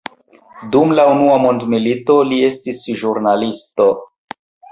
Dum la Unua mondmilito, li estis ĵurnalisto.